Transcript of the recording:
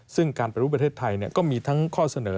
ซึ่งการปฏิรูปประเทศไทยก็มีทั้งข้อเสนอ